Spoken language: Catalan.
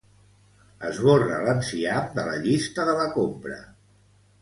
Esborra l'enciam de la llista de la compra.